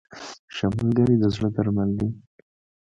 • ښه ملګری د زړه درمل دی.